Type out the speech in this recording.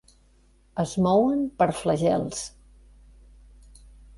Es mouen per flagels.